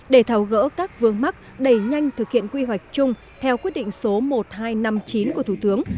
để thảo gỡ các vương mắc đẩy nhanh thực hiện quy hoạch chung theo quyết định số một nghìn hai trăm năm mươi chín của thủ tướng